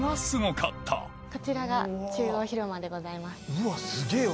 うわすげぇわ。